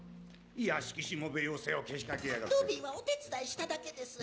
屋敷しもべ妖精をけしかけやがってドビーはお手伝いしただけです